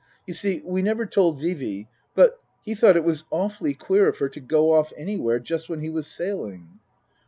You see we never told Vee Vee, but he thought it was awfully queer of her to go off anywhere just when he was sailing."